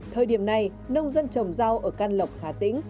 thời điểm này nông dân trồng rau ở can lộc hà tĩnh